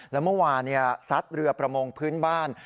แล้วเมื่อวานซัดเรือประมงพื้นบ้าน